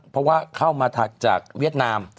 เพราะว่าเข้ามาถักจากเวียดนาม